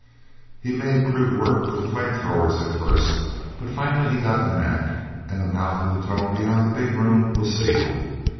e made crude work with the flame throwers at first but finally he got the knack, and the mouth of the tunnel beyond the big room was sealed.